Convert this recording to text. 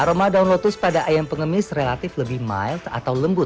aroma daun lotus pada ayam pengemis relatif lebih mild atau lembut